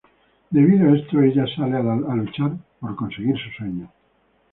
Debido a esto, ella sale a la luchar por conseguir su sueño.